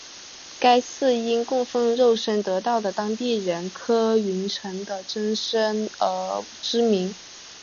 该寺因供奉肉身得道的当地人柯云尘的真身而知名。